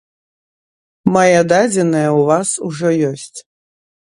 Мае дадзеныя ў вас ужо ёсць.